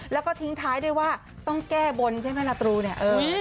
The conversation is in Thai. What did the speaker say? แล้วก็ทิ้งท้ายด้วยว่าต้องแก้บนใช่ไหมล่ะตรูเนี่ย